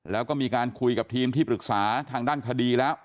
แล้วก็มีการคุยกับทีมที่ปรึกษาทางด้านคดีแล้ว